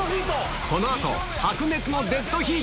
この後白熱のデッドヒート！